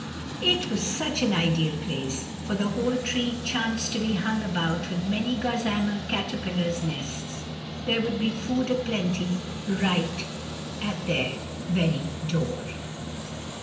It was such an ideal place, for the whole tree chanced to be hung about with many gossamer caterpillars' nests; there would be food a plenty right at their very door.